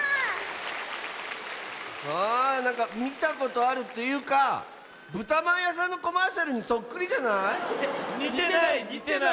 あなんかみたことあるというかぶたまんやさんのコマーシャルにそっくりじゃない？にてないにてない！